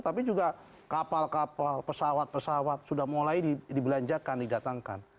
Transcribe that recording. tapi juga kapal kapal pesawat pesawat sudah mulai dibelanjakan didatangkan